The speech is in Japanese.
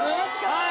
はい！